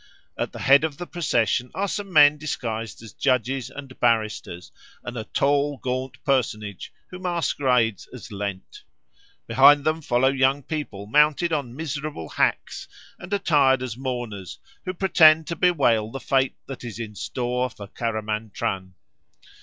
At the head of the procession are some men disguised as judges and barristers, and a tall gaunt personage who masquerades as Lent; behind them follow young people mounted on miserable hacks and attired as mourners who pretend to bewail the fate that is in store for Caramantran.